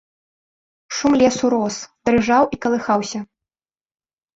Шум лесу рос, дрыжаў і калыхаўся.